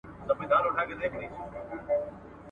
څېړونکی هغه روڼ اندی دی چي بصیرت لري.